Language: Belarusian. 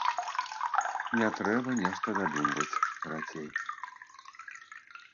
Не трэба нешта дадумваць, карацей.